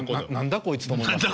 こいつ」と思いましたね。